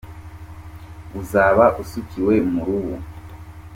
Uzaba usukiwe mu rubu.